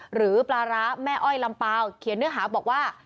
หรือปลาร้าแม่อ้อยลำเปล่าเขียนเนื้อหาบอกว่า